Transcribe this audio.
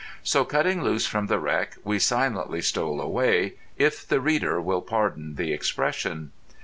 So, cutting loose from the wreck, we silently stole away, if the reader will pardon the expression.